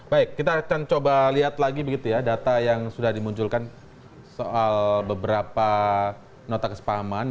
baik kita akan coba lihat lagi begitu ya data yang sudah dimunculkan soal beberapa nota kesepahaman